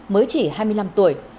mới chỉ hai mươi năm tuổi